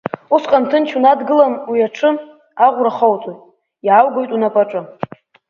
Усҟан ҭынч унадгылан уи аҽы, аӷәра ахоуҵоит, иааугоит унапаҿы.